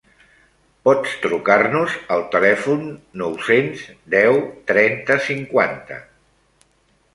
Pots trucar-nos al telèfon nou-cents deu trenta cinquanta.